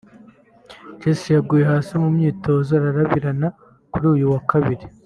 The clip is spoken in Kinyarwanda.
Jessy yaguye hasi mu myitozo ararabirana kuri uyu wa Kabiri